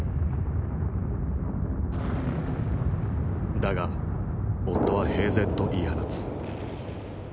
だが夫は平然と言い放つ。